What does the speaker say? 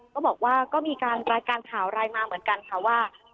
ก็บอกว่าก็มีการรายการข่าวรายมาเหมือนกันค่ะว่า